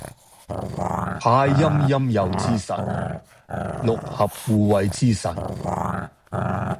太陰陰祐之神，六合護衛之神